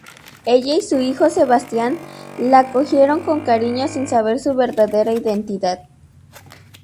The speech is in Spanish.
Ella y su hijo Sebastián la acogieron con cariño sin saber su verdadera identidad.